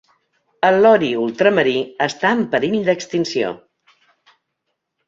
El lori ultramarí està en perill d'extinció.